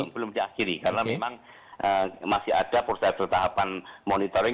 belum diakhiri karena memang masih ada proses pertahapan monitoring